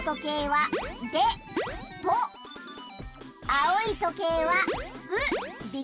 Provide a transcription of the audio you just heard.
あおいとけいは「う」「！」。